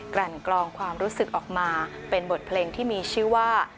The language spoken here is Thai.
ลั่นกลองความรู้สึกออกมาเป็นบทเพลงที่มีชื่อว่า